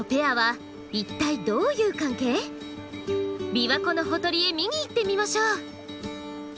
琵琶湖のほとりへ見に行ってみましょう。